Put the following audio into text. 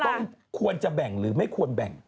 จะต้องควรจะแบ่งหรือไม่ควรแบ่ง